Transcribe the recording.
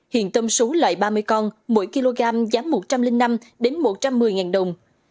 hiện tôm số loại ba mươi con mỗi kg giá một trăm linh năm đến một trăm một mươi đồng